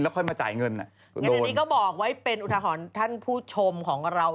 ค่อยมาจ่ายเงินอ่ะงั้นอันนี้ก็บอกไว้เป็นอุทหรณ์ท่านผู้ชมของเรา